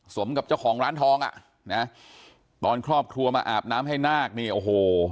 กับเจ้าของร้านทองอ่ะนะตอนครอบครัวมาอาบน้ำให้นาคนี่โอ้โห